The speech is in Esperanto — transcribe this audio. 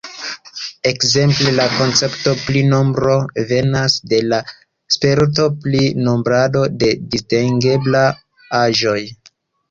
Ekzemple la koncepto pri nombro venas de la spertoj pri nombrado de distingeblaj aĵoj.